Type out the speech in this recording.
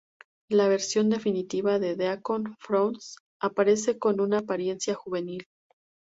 La versión definitiva de Deacon Frost aparece con una apariencia juvenil.